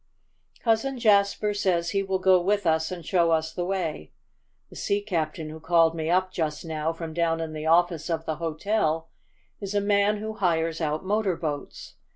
"Cousin Jasper says he will go with us and show us the way. The sea captain who called me up just now from down in the office of the hotel is a man who hires out motor boats.